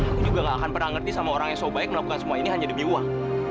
aku juga gak akan pernah ngerti sama orang yang so baik melakukan semua ini hanya demi uang